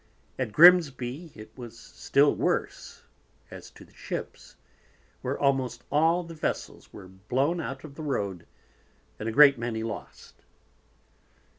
At Grimsby it was still worse as to the Ships, where almost all the Vessels were blown out of the Road, and a great many lost.